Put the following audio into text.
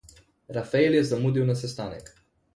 Rafael je zamudil na sestanek.